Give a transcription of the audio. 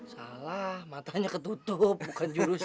salah matanya ketutup bukan jurusan